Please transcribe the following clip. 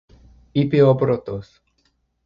» είπε ο πρώτος